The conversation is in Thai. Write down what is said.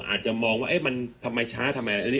อาจจะมองว่ามันทำไมช้าทำไม